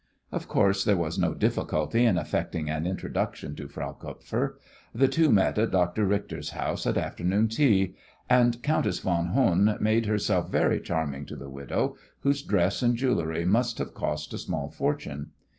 Of course there was no difficulty in effecting an introduction to Frau Kupfer. The two met at Dr. Richter's house at afternoon tea, and Countess von Hohn made herself very charming to the widow, whose dress and jewellery must have cost a small fortune.